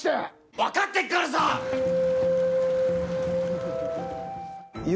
分かってっからさあ！